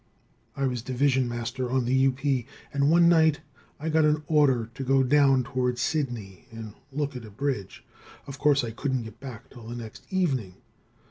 I was division master on the U.P., and one night I got an order to go down towards Sidney and look at a bridge. Of course I couldn't get back till the next evening.